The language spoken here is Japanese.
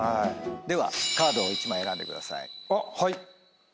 ではカードを１枚選んでください。